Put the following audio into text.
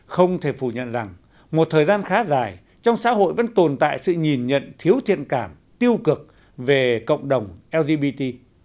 không thể phủ nhận rằng một thời gian khá dài trong xã hội vẫn tồn tại sự nhìn nhận thiếu thiện cảm tiêu cực về cộng đồng lgbt